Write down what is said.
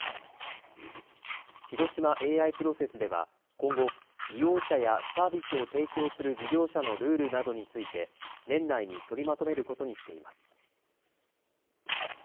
広島ＡＩプロセスでは今後、利用者やサービスを提供する事業者のルールなどについて年内に取りまとめることにしています。